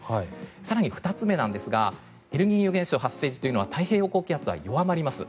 更に、２つ目なんですがエルニーニョ現象が発生する時は太平洋高気圧は弱まります。